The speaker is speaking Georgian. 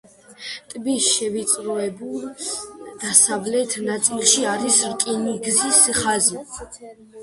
ტბის შევიწროებულ დასავლეთ ნაწილში არის რკინიგზის ხაზი.